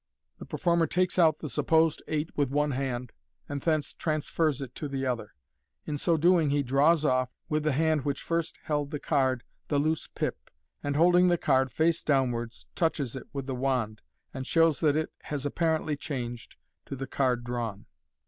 The performer takes out the supposed eight with one hand, and thence transfers it to the other. In so doing he draws off, with the hand which first held the card, the loose pip, and, holding the card fa««e downwards, touches it with the wand, and shows that it has apparently changed to the card drawn.